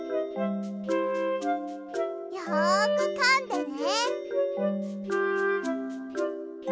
よくかんでね。